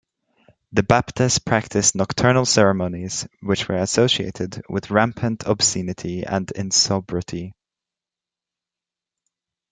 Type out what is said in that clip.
The Baptes practised nocturnal ceremonies, which were associated with rampant obscenity and insobriety.